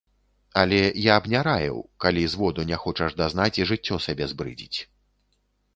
Але я б не раіў, калі зводу не хочаш дазнаць і жыццё сабе збрыдзіць.